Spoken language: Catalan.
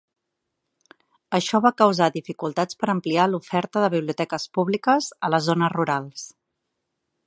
Això va causar dificultats per ampliar l'oferta de biblioteques públiques a les zones rurals.